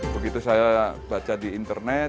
begitu saya baca di internet